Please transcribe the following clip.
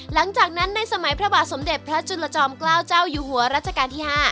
หลังจากนั้นในสมัยพระบาทสมเด็จพระจุลจอมเกล้าเจ้าอยู่หัวรัชกาลที่๕